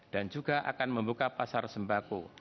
dan juga akan membuka pasar sembako